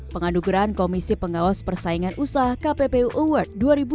pengaduk geran komisi pengawas persaingan usaha kppu award dua ribu dua puluh satu